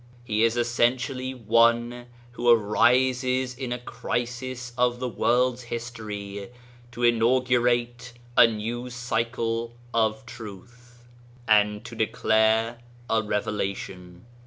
He is essentially one who arises in a crisis of the world's history to inaugurate a new cycle of truth, and to declare a Revelation.